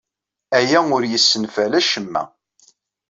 Aya ur yessenfal acemma.